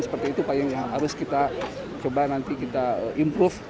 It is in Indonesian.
seperti itu yang harus kita coba nanti kita improve